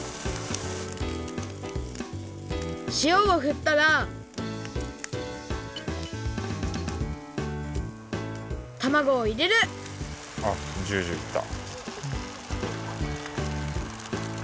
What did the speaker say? しおをふったらたまごをいれるあっジュジュいった。